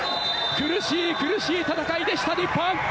苦しい苦しい戦いでした日本。